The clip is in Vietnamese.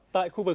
tại khu vực lê